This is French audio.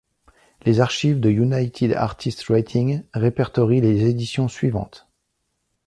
Les archives de United Artists Rating répertorient les éditions suivantes.